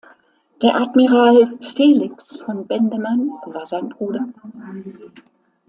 Der Admiral Felix von Bendemann war sein Bruder.